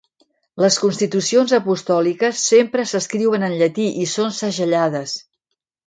Les constitucions apostòliques sempre s'escriuen en llatí i són segellades.